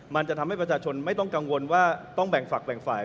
มันจะทำให้ประชาชนไม่ต้องกังวลว่าต้องแบ่งฝักแบ่งฝ่าย